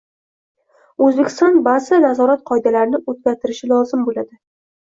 Oʻzbekiston baʼzi nazorat qoidalarini oʻzgartirishi lozim boʻladi.